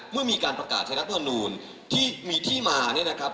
เมื่อมีการประกาศใช้รัฐมนูลที่มีที่มาเนี่ยนะครับ